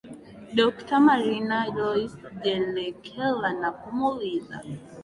dokta marina loice jelekela na kumuuliza